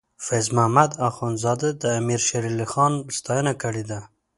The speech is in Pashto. فیض محمد اخونزاده د امیر شیر علی خان ستاینه کړې ده.